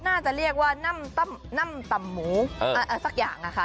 น่าจะเรียกว่าน้ำต่ำหมูสักอย่างนะคะ